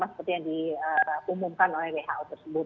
seperti yang diumumkan oleh who tersebut